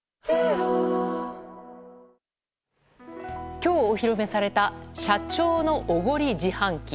今日お披露目された社長のおごり自販機。